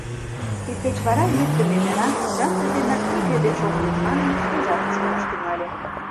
Тиддеч вара лӱддымӧ мераҥ, чынже денак нигӧ деч ом лӱд манын, шкежат ӱшанаш тӱҥале.